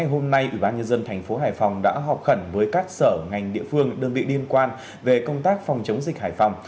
hôm nay ủy ban nhân dân thành phố hải phòng đã họp khẩn với các sở ngành địa phương đơn vị liên quan về công tác phòng chống dịch hải phòng